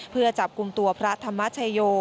เพื่อจับกลุ่มตัวพระธรรมชโย